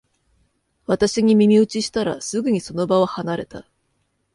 私に耳打ちしたら、すぐにその場を離れた